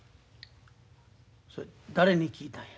それ誰に聞いたんや？